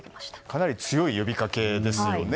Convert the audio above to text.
かなり強い呼びかけですよね。